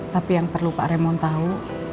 tapi yang perlu pak remo tahu